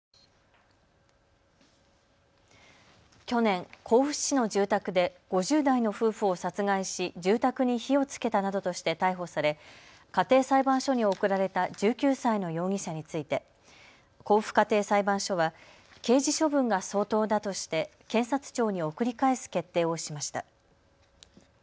去年、甲府市の住宅で５０代の夫婦を殺害し住宅に火をつけたなどとして逮捕され家庭裁判所に送られた１９歳の容疑者について甲府家庭裁判所は刑事処分が相当だとして検察庁に送り返す決定をしました。